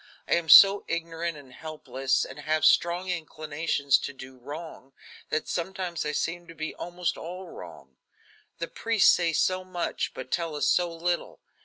I am so ignorant and helpless, and have such strong inclinations to do wrong that sometimes I seem to be almost all wrong. The priests say so much, but tell us so little.